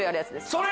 それ！